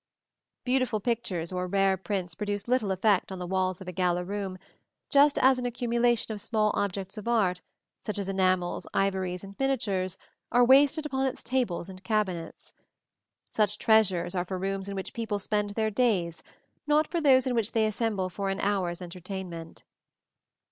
Beautiful pictures or rare prints produce little effect on the walls of a gala room, just as an accumulation of small objects of art, such as enamels, ivories and miniatures, are wasted upon its tables and cabinets. Such treasures are for rooms in which people spend their days, not for those in which they assemble for an hour's entertainment.